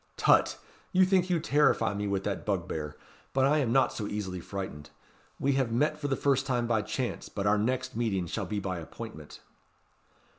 "Tut! you think to terrify me with that bugbear; but I am not so easily frightened. We have met for the first time by chance, but our next meeting shall be by appointment."